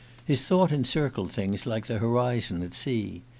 His thought encircled things like the horizon at sea.